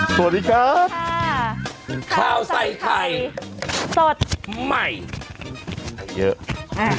สวัสดีครับข้าวใส่ไข่สดใหม่ให้เยอะอ่า